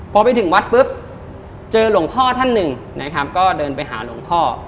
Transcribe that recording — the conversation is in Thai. พอไปถึงวัดปุ๊บเจอหลวงพ่อท่านหนึ่งนะครับก็เดินไปหาหลวงพ่อ